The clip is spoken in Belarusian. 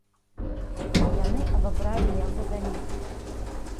Яны абабралі яго да ніткі.